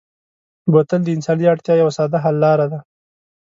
بوتل د انساني اړتیا یوه ساده حل لاره ده.